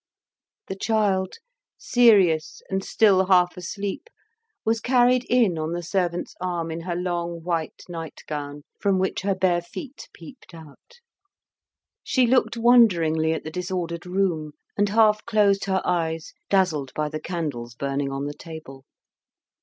The child, serious, and still half asleep, was carried in on the servant's arm in her long white nightgown, from which her bare feet peeped out. She looked wonderingly at the disordered room, and half closed her eyes, dazzled by the candles burning on the table.